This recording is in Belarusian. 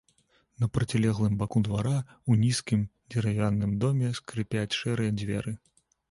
На процілеглым баку двара, у нізкім дзеравяным доме скрыпяць шэрыя дзверы.